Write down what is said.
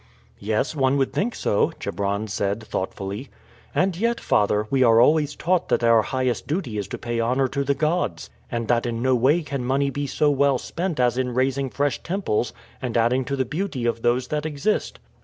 "Yes, one would think so," Chebron said thoughtfully. "And yet, father, we are always taught that our highest duty is to pay honor to the gods, and that in no way can money be so well spent as in raising fresh temples and adding to the beauty of those that exist."